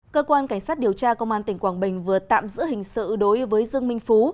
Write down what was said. cơ quan cảnh sát điều tra công an tỉnh quảng bình vừa tạm giữ hình sự đối với dương minh phú